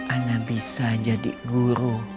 anak bisa jadi guru